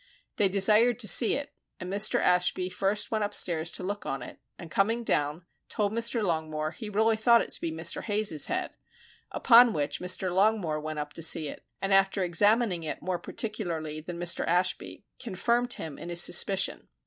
They desired to see it and Mr. Ashby first went upstairs to look on it, and coming down, told Mr. Longmore he really thought it to be Mr. Hayes's head, upon which Mr. Longmore went up to see it, and after examining it more particularly than Mr. Ashby, confirmed him in his suspicion.